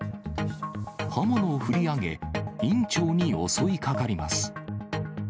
刃物を振り上げ、院長に襲いかかります。